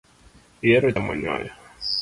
Ihero chamo nyoyo .